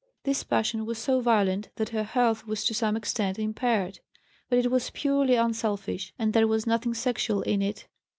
This passion was so violent that her health was, to some extent, impaired; but it was purely unselfish, and there was nothing sexual in it.